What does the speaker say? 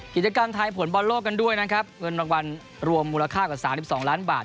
กิจกรรมทายผลบอลโลกกันด้วยนะครับเงินรางวัลรวมมูลค่ากว่า๓๒ล้านบาท